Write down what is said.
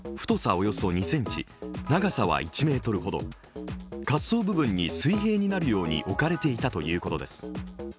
およそ２ｃｍ、長さは１ｍほど、滑走部分に水平になるように置かれていたということです。